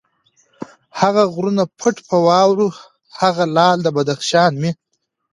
هغه غرونه پټ په واورو، هغه لعل د بدخشان مي